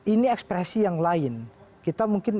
ini ekspresi yang lain kita mungkin